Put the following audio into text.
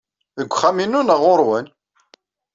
Deg uxxam-inu neɣ ɣer-wen?